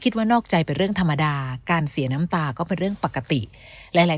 นอกใจเป็นเรื่องธรรมดาการเสียน้ำตาก็เป็นเรื่องปกติหลายหลาย